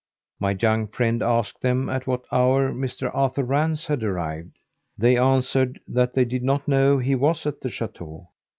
My young friend asked them at what hour Mr. Arthur Rance had arrived. They answered that they did not know he was at the chateau.